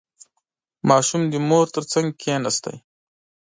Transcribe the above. • ماشوم د مور تر څنګ کښېناست.